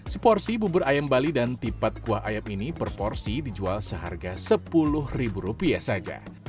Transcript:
seporsi bubur ayam bali dan tipat kuah ayam ini per porsi dijual seharga sepuluh ribu rupiah saja